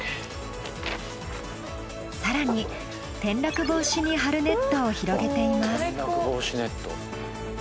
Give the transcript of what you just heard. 更に転落防止に張るネットを広げています。